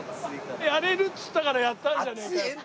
やれるって言ったからやったんじゃねえかよ。